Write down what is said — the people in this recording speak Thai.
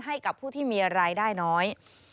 ให้กับผู้ที่มีรายได้น้อย